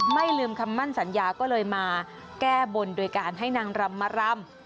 ไม่ลืมคำมั่นสัญญาก็เลยมาแก้บนโดยการให้นางรำมารำ